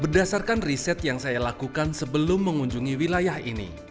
berdasarkan riset yang saya lakukan sebelum mengunjungi wilayah ini